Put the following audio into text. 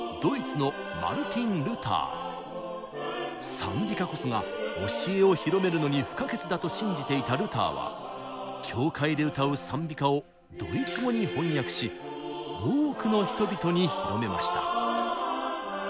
賛美歌こそが教えを広めるのに不可欠だと信じていたルターは教会で歌う賛美歌をドイツ語に翻訳し多くの人々に広めました。